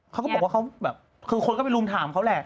เขาก็บอกว่าเขาแบบคือคนก็ไปรุมถามเขาแหละ